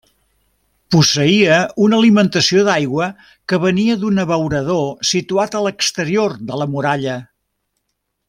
Posseïa una alimentació d'aigua que venia d'un abeurador situat a l'exterior de la muralla.